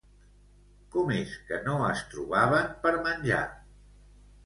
Com és que no es trobaven per menjar?